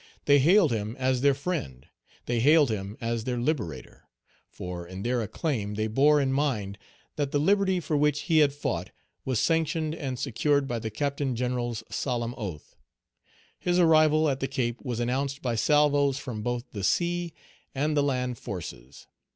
They hailed him as their friend; they hailed him as their liberator; for in their acclaim they bore in mind that the liberty for which he had fought was sanctioned and secured by the Captain General's solemn oath. His arrival at the Cape was announced by salvos from both the sea and the land forces.